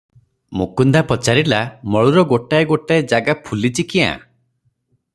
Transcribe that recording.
ମୁକୁନ୍ଦା ପଚାରିଲା,"ମଳୁର ଗୋଟାଏ ଗୋଟାଏ ଜାଗା ଫୁଲିଛି କ୍ୟାଁ?